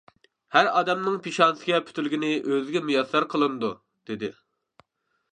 ھەر ئادەمنىڭ پېشانىسىگە پۈتۈلگىنى ئۆزىگە مۇيەسسەر قىلىنىدۇ-دېدى.